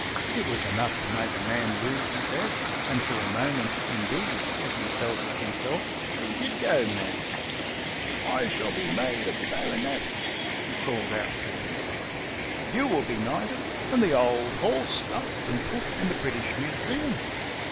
It was enough to make a man lose his head, and for a moment, indeed, as he tells us himself, he did go mad. " I shall be made a baronet," he called out to his guide. "You will be knighted, and the old horse stuffed and put in the British Museum."